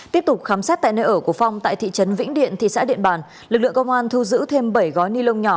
tiếp tục khám xét tại nơi ở của phong tại thị trấn vĩnh điện thị xã điện bàn lực lượng công an thu giữ thêm bảy gói ni lông nhỏ